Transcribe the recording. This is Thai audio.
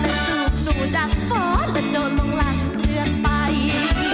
และจูบหนูดักฟ้อและโดนลงหลังเลือนไป